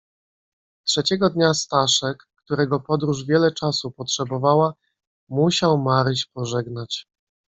"Trzeciego dnia Staszek, którego podróż wiele czasu potrzebowała, musiał Maryś pożegnać."